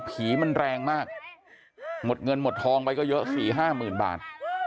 มันแรงมากหมดเงินหมดทองไปก็เยอะสี่ห้าหมื่นบาท